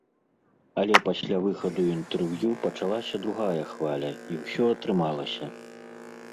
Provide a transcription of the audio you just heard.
Але пасля выхаду інтэрв'ю пачалася другая хваля і ўсё атрымалася.